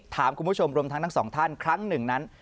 ถามคุณผู้ชมรวมทั้งทั้งสองท่านครั้งหนึ่งนั้น